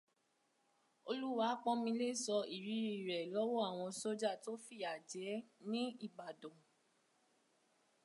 Oluwapọ̀nmile sọ ìrírí rẹ̀ lọ́wọ́ àwọn sójà tó fìyàjẹ́ ní Ibadan.